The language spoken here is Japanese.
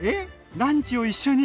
ランチを一緒に？